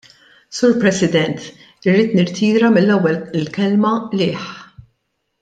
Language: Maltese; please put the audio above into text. Sur President, irrid nirtira mill-ewwel il-kelma " qligħ ".